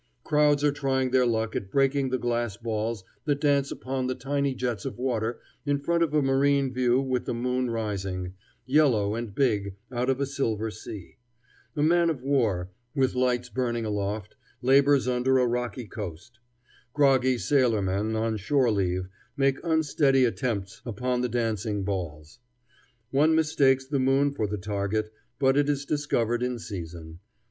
Crowds are trying their luck at breaking the glass balls that dance upon tiny jets of water in front of a marine view with the moon rising, yellow and big, out of a silver sea. A man of war, with lights burning aloft, labors under a rocky coast. Groggy sailormen, on shore leave, make unsteady attempts upon the dancing balls. One mistakes the moon for the target, but is discovered in season.